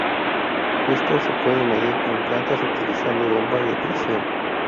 Esto se puede medir en plantas utilizando bombas de presión.